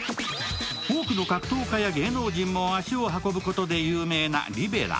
多くの格闘家や芸人も足を運ぶことで有名なリベラ。